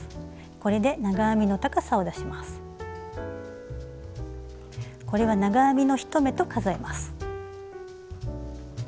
これは長編みの１目と数えます。